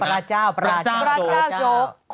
พระเจ้าพระเจ้าโจ๊ก